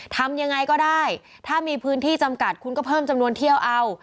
ทำยังไงก็ได้ถ้ามีพื้นที่จำกัดคุณก็เพิ่มจำนวนเที่ยวเอา